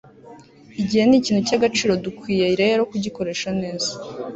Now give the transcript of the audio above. igihe nikintu cyagaciro, dukwiye rero kugikoresha neza